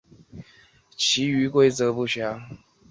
秦军护送夷吾回国即位。